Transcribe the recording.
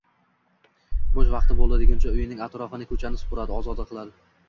Bo`sh vaqti bo`ldi deguncha uyining atrofini, ko`chani supuradi, ozoda qiladi